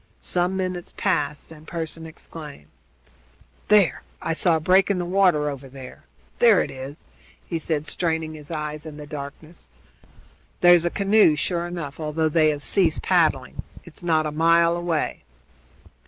Some minutes passed, then Pearson exclaimed: "There! I saw a break in the water over there! There it is!" he said, straining his eyes in the darkness. "That's a canoe, sure enough, although they have ceased paddling. It's not a mile away."